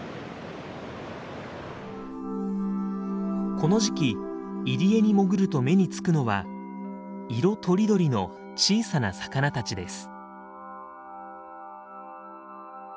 この時期入り江に潜ると目につくのは色とりどりの小さな魚たちです。